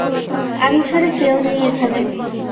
আমি ছাড়া কেউ নেই এখানে।